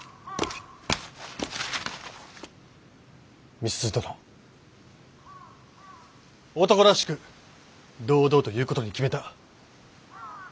美鈴殿男らしく堂々と言うことに決めた。